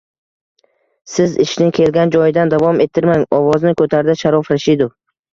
— Siz ishni kelgan joyidan davom ettirmang! — ovozini ko‘tardi Sharof Rashidov.